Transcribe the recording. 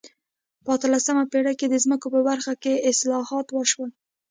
په اتلسمه پېړۍ کې د ځمکو په برخه کې اصلاحات وشول.